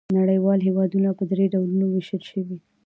نړیوال هېوادونه په درې ډولونو وېشل شوي.